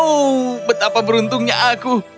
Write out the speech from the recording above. oh betapa beruntungnya aku